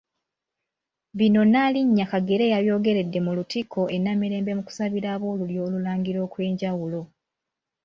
Bino Nnaalinnya Kagere yabyogeredde mu Lutikko e Namirembe mu kusabira ab'Olulyo Olulangira okwenjawulo.